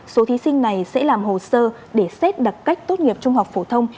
số thí sinh này sẽ làm hồ sơ để xét đặc cách tốt nghiệp trung học phổ thông